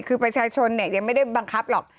คือประชาชนยังไม่ได้บังคับหรอก